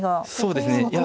そうですね。